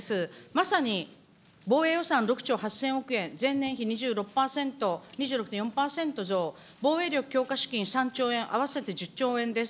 まさに防衛予算６兆８０００億円、前年比２６％、２６．４％増、防衛力強化資金３兆円、合わせて１０兆円です。